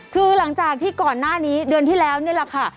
คือหลังจากที่ก่อนหน้านี้เดือนที่แล้วนี่แหละค่ะ